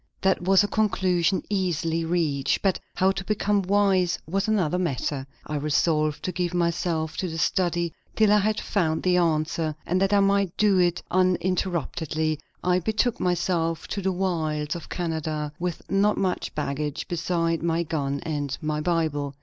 That was a conclusion easily reached; but how to become wise was another matter. I resolved to give myself to the study till I had found the answer; and that I might do it uninterruptedly, I betook myself to the wilds of Canada, with not much baggage beside my gun and my Bible.